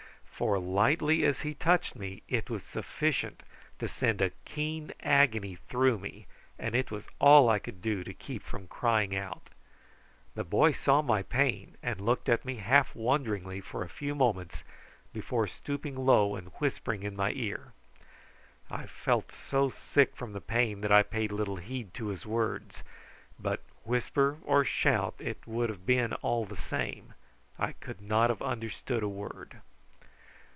For, lightly as he touched me, it was sufficient to send a keen agony through me, and it was all I could do to keep from crying out. The boy saw my pain, and looked at me half wonderingly for a few moments before stooping low and whispering in my ear. I felt so sick from the pain that I paid little heed to his words; but whisper or shout it would have been all the same, I could not have understood a word.